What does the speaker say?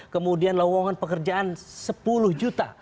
kemudian lowongan pekerjaan sepuluh juta